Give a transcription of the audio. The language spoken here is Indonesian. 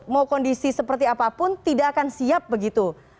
mau kondisi seperti apapun tidak akan siap begitu